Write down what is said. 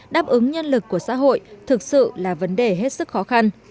đáp ứng nhân lực của xã hội thực sự là vấn đề hết sức khó khăn